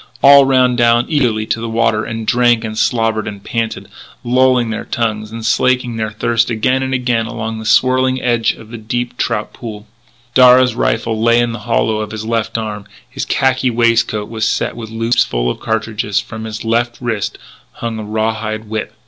All ran down eagerly to the water and drank and slobbered and panted, lolling their tongues, and slaking their thirst again and again along the swirling edge of a deep trout pool. Darragh's rifle lay in the hollow of his left arm; his khaki waistcoat was set with loops full of cartridges. From his left wrist hung a raw hide whip.